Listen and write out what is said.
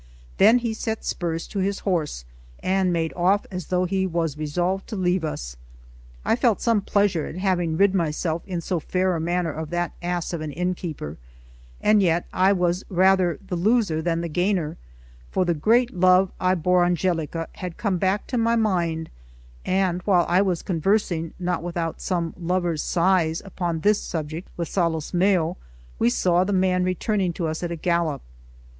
Then he set spurs to his horse, and made off as though he was resolved to leave us. I felt some pleasure at having rid myself in so fair a manner of that ass of an innkeeper; and yet I was rather the loser than the gainer; for the great love I bore Angelica had come back to my mind, and while I was conversing, not without some lover's sighs, upon this subject with Solosmeo, we saw the man returning to us at a gallop.